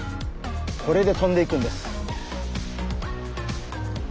これで飛んでいくんです。